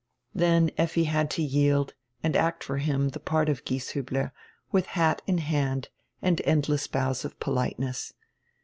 Then Effi had to yield and act for him die part of Gieshiibler, widi hat in hand and endless bows of politeness.